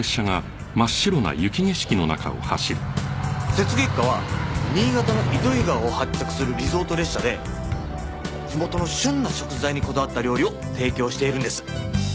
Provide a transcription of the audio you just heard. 雪月花は新潟の糸魚川を発着するリゾート列車で地元の旬な食材にこだわった料理を提供しているんです。